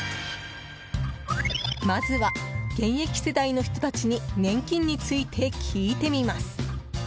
まずは、現役世代の人たちに年金について聞いてみます。